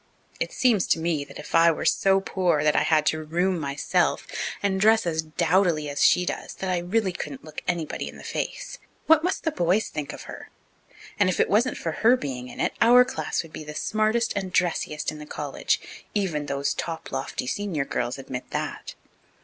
"It seems to me that if I were so poor that I had to 'room' myself and dress as dowdily as she does that I really couldn't look anybody in the face. What must the boys think of her? And if it wasn't for her being in it, our class would be the smartest and dressiest in the college even those top lofty senior girls admit that."